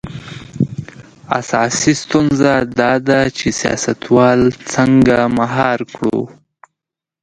اساسي ستونزه دا ده چې سیاستوال څنګه مهار کړو.